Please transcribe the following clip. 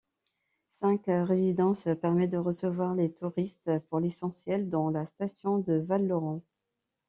Cinq résidences permettent de recevoir les touristes, pour l'essentiel dans la station de Val-Louron.